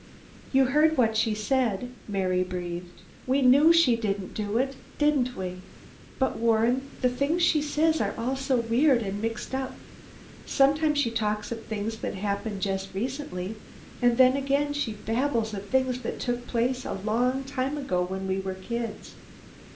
"You heard what she said?" Mary breathed. "We knew she didn't do it, didn't we?" "But, Warren, the things she says are all so weird and mixed up. Sometimes she talks of things that happened just recently and then again she babbles of things that took place a long time ago when we were kids.